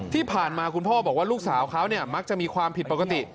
ที่ผ่านมาคุณพ่อบอกว่าลูกสาวเขามักจะมีความผิดปกติ